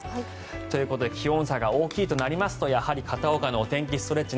ということで気温差が大きいとなるとやはり片岡の「お天気ストレッチ」